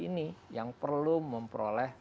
ini yang perlu memperoleh